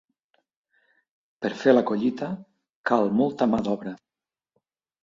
Per fer la collita cal molta mà d'obra.